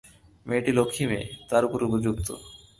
মেয়েটি লক্ষ্মী মেয়ে, তোর উপযুক্ত।